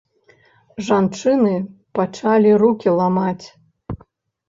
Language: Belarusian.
Жанчыны пачалі рукі ламаць.